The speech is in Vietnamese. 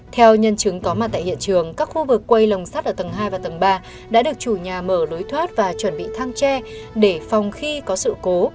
theo nhân chứng có mặt tại hiện trường các khu vực quay lồng sắt ở tầng hai và tầng ba đã được chủ nhà mở lối thoát và chuẩn bị thang tre để phòng khi có sự cố